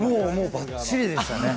ばっちりでしたね。